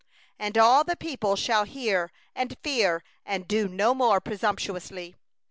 13And all the people shall hear, and fear, and do no more presumptuously.